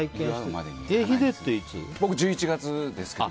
僕１１月ですけど。